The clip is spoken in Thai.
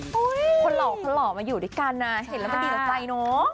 คนหล่อคนหล่อมาอยู่ด้วยกันนะเห็นแล้วมันดีต่อใจเนอะ